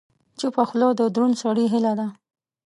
چپه خوله، د دروند سړي هیله ده.